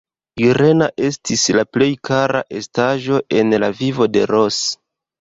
Irena estis la plej kara estaĵo en la vivo de Ros.